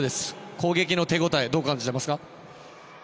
攻撃の手応えどう感じていますか？